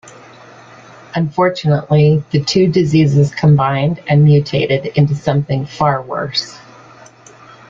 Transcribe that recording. Unfortunately the two diseases combined and mutated into something far worse.